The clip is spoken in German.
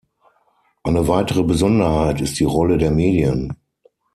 Eine weitere Besonderheit ist die Rolle der Medien.